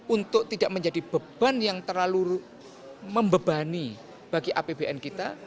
untuk tidak menjadi beban yang terlalu membebani bagi apbn kita